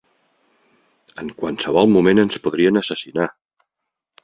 En qualsevol moment ens podrien assassinar!